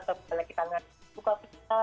atau misalnya kita ngasih buka buka